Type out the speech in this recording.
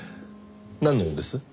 なんの用です？